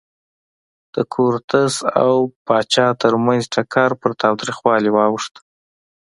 د کورتس او پاچا ترمنځ ټکر پر تاوتریخوالي واوښت.